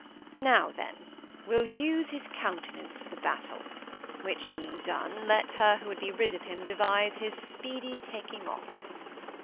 Now then, we'll use His countenance for the battle, which being done, Let her who would be rid of him devise His speedy taking off.